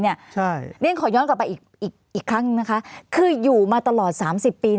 เรียนขอย้อนกลับไปอีกครั้งนะคะคืออยู่มาตลอด๓๐ปี